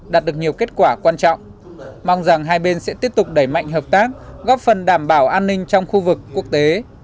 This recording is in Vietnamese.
đạt được nhiều kết quả quan trọng mong rằng hai bên sẽ tiếp tục đẩy mạnh hợp tác góp phần đảm bảo an ninh trong khu vực quốc tế